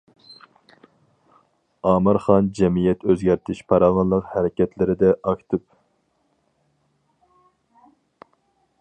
ئامىر خان جەمئىيەت ئۆزگەرتىش پاراۋانلىق ھەرىكەتلىرىدە ئاكتىپ.